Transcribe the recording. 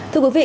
thưa quý vị